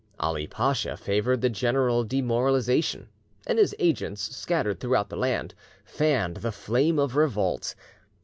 Ali Pacha favoured the general demoralisation; and his agents, scattered throughout the land, fanned the flame of revolt.